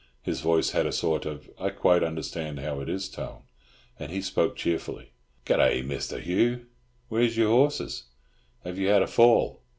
His voice had a sort of "I quite understand how it is" tone, and he spoke cheerfully. "Good day, Misther Hugh! Where's your horses? Have you had a fall?"